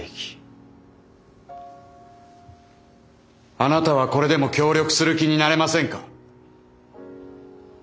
あなたはこれでも協力する気になれませんか？